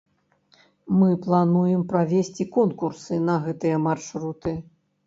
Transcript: Мы плануем правесці конкурсы на гэтыя маршруты.